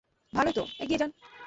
ভালোই তো, এগিয়ে যান।